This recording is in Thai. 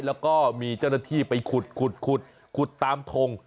แล้วก็มีเจ้าหน้าที่ไปขุดขุดตามทง